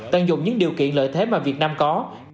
tận dụng những điều kiện lợi thế mà việt nam có